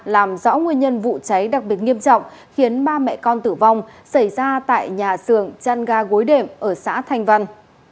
làm rõ nguyên nhân vụ cháy đặc biệt nghiêm trọng khiến ba mẹ con tử vong xảy ra tại nhà xưởng chăn ga gối đệm ở xã thanh văn